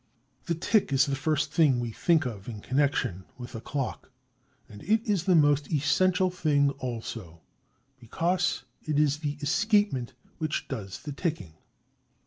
The tick is the first thing we think of in connection with a clock; and it is the most essential thing also, because it is the escapement which does the ticking.